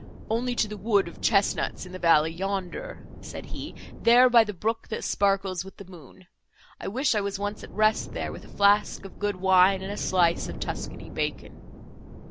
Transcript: "Only to the wood of chesnuts in the valley yonder," said he, "there, by the brook, that sparkles with the moon; I wish I was once at rest there, with a flask of good wine, and a slice of Tuscany bacon."